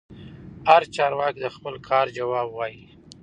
هر چارواکي د خپل کار ځواب وايي.